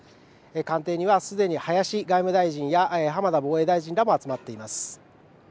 官邸にはすでに林外務大臣や浜田防衛大臣らが集まっています。